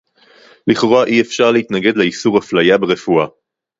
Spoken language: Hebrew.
לכאורה אי-אפשר להתנגד לאיסור הפליה ברפואה